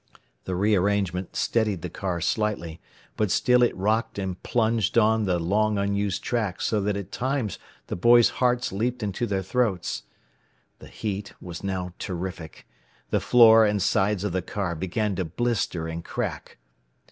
The rearrangement steadied the car slightly, but still it rocked and plunged on the long unused track so that at times the boys' hearts leaped into their throats. The heat was now terrific. The floor and sides of the car began to blister and crack.